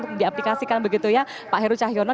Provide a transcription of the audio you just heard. dan diaplikasikan begitu ya pak heru cahyono